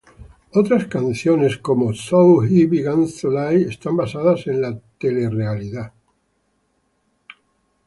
Otras canciones, como "So He Begins to Lie", están basadas en la telerrealidad.